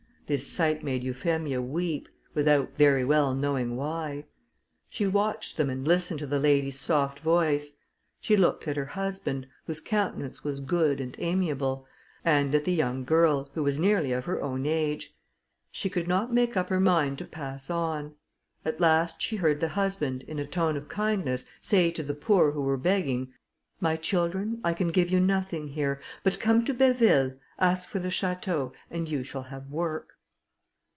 This sight made Euphemia weep, without very well knowing why. She watched them, and listened to the lady's soft voice; she looked at her husband, whose countenance was good and amiable, and at the young girl, who was nearly of her own age; she could not make up her mind to pass on. At last she heard the husband, in a tone of kindness, say to the poor who were begging, "My children, I can give you nothing here; but come to Béville, ask for the château, and you shall have work."